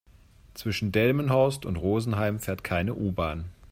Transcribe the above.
Zwischen Delmenhorst und Rosenheim fährt keine U-Bahn